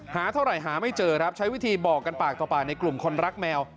หาเท่าไหร่หาไม่เจอครับใช้วิธีบอกกันปากต่อปากในกลุ่มคนรักแมว